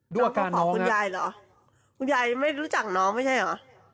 ด้วยอาการน้องน้องเขาขอคุณยายเหรอคุณยายไม่รู้จักน้องไม่ใช่เหรอ